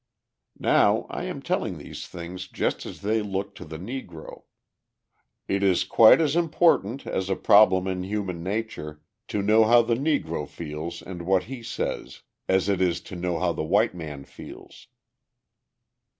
Now, I am telling these things just as they look to the Negro; it is quite as important, as a problem in human nature, to know how the Negro feels and what he says, as it is to know how the white man feels.